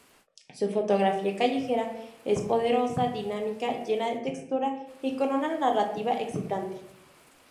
Su fotografía callejera es poderosa, dinámica, llena de textura y con una narrativa excitante.